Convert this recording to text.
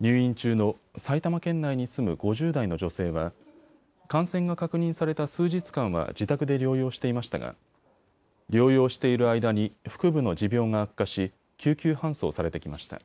入院中の埼玉県内に住む５０代の女性は感染が確認された数日間は自宅で療養していましたが療養している間に腹部の持病が悪化し救急搬送されてきました。